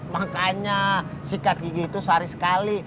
makanya sikat gigi itu sehari sekali